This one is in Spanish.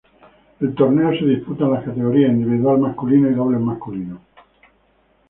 El torneo se disputa en las categorías individual masculino y dobles masculino.